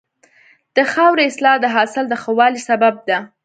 د خاورې اصلاح د حاصل د ښه والي سبب ده.